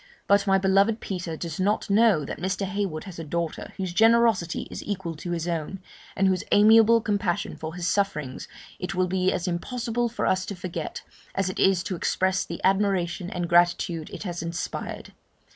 But my beloved Peter does not know that Mr. Heywood has a daughter, whose generosity is equal to his own, and whose amiable compassion for his sufferings it will be as impossible for us to forget, as it is to express the admiration and gratitude it has inspired.